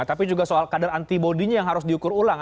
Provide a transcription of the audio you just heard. tapi juga soal kadar antibody nya yang harus diukur ulang